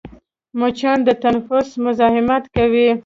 مچان د تنفس مزاحمت کوي